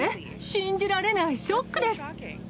信じられない、ショックです。